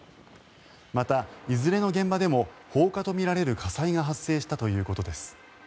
また、いずれの現場でも放火とみられる火災が発生したということです。